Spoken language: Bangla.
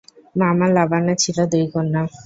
মামা লাবানের ছিল দুই কন্যা।